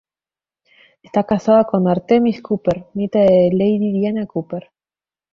Está casado con Artemis Cooper, nieta de Lady Diana Cooper.